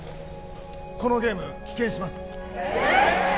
このゲーム棄権しますえっ！？